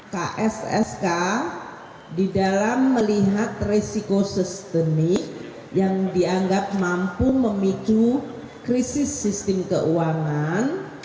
kssk di dalam melihat resiko sistemik yang dianggap mampu memicu krisis sistem keuangan